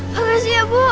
makasih ya bu